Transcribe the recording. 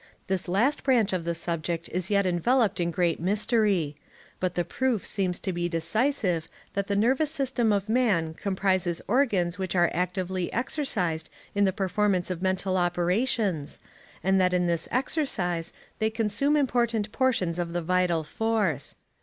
This last branch of the subject is yet enveloped in great mystery; but the proof seems to be decisive that the nervous system of man comprises organs which are actively exercised in the performance of mental operations, and that in this exercise they consume important portions of the vital force.